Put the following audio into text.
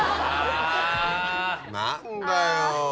何だよ。